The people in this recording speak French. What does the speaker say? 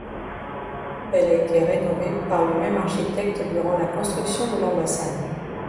Elle a été rénovée par le même architecte durant la construction de l'ambassade.